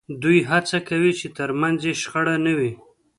دوی هڅه کوي چې ترمنځ یې شخړه نه وي